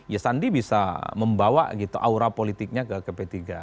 ya sandi bisa membawa gitu aura politiknya ke p tiga